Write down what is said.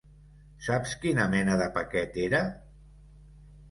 Saps quina mena de paquet era?